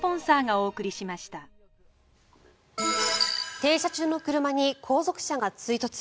停車中の車に後続車が追突。